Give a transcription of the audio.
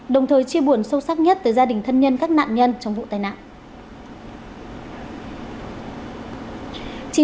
đồng thời chia buồn sâu sắc nhất tới gia đình thân nhân các nạn nhân trong vụ tai nạn